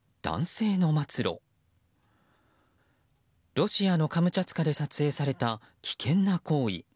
ロシアのカムチャツカで撮影された危険な行為。